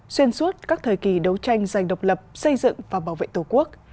xuyên suốt các thời kỳ đấu tranh giành độc lập xây dựng và bảo vệ tổ quốc